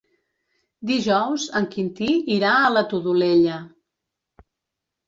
Dijous en Quintí irà a la Todolella.